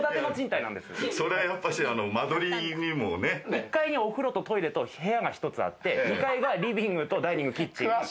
１階にトイレとお風呂と部屋が１つあって、２階がリビングとダイニングとキッチン。